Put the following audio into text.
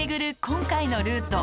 今回のルート。